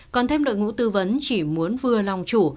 còn thêm đội ngũ tư vấn chỉ muốn vừa lòng chủ